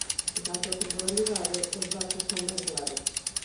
En canto á temporalidade, os datos son ben claros.